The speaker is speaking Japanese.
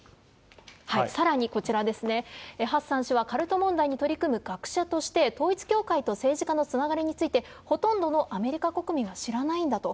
さらに、こちらですね、ハッサン氏はカルト問題に取り組む学者として、統一教会と政治家のつながりについて、ほとんどのアメリカ国民は知らないんだと。